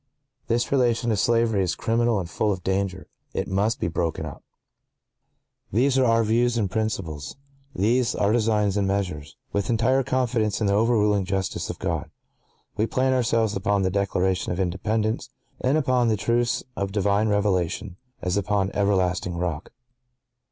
(¶ 33) This relation to slavery is criminal and full of danger; it must be broken up. (¶ 34) These are our views and principles—these, our designs and measures. With entire confidence in the overruling justice of God, we plant ourselves upon the Declaration of Independence, and upon the truths of Divine Revelation, as upon everlasting rock.